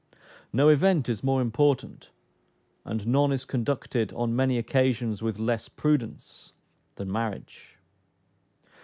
No event is more important, and none is conducted, on many occasions, with less prudence, than Marriage.